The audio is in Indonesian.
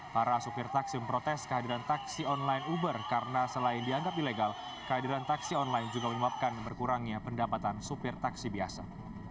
para supir taksi memprotes kehadiran taksi online uber karena selain dianggap ilegal kehadiran taksi online juga menyebabkan berkurangnya pendapatan supir taksi biasa